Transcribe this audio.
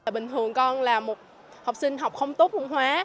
bình thường con là một học sinh học không tốt môn hóa